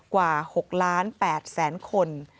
กว่า๖ล้าน๘แสนคน